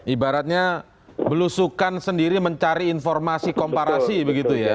ibaratnya belusukan sendiri mencari informasi komparasi begitu ya